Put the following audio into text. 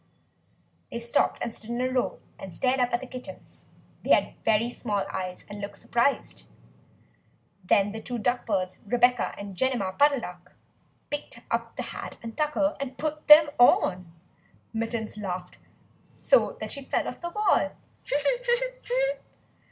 They stopped and stood in a row, and stared up at the kittens. They had very small eyes and looked surprised. Then the two duck birds, Rebeccah and Jemima Puddle Duck, picked up the hat and tucker and put them on. Mittens laughed so that she fell off the wall.